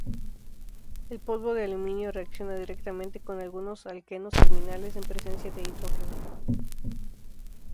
El polvo de aluminio reacciona directamente con algunos alquenos terminales, en presencia de hidrógeno.